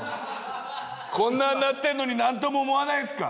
こんなんなってんのになんとも思わないんですか？